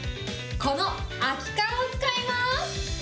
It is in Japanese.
この空き缶を使います。